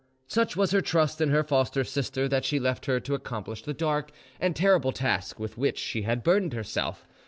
Such was her trust in her foster sister that she left her to accomplish the dark and terrible task with which she had burdened herself.